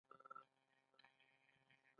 د راجپوتانو دوره پیل شوه.